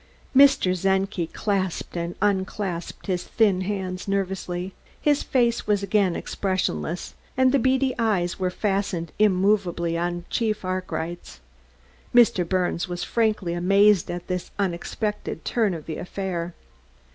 Mr. Czenki clasped and unclasped his thin hands nervously. His face was again expressionless, and the beady eyes were fastened immovably on Chief Arkwright's. Mr. Birnes was frankly amazed at this unexpected turn of the affair.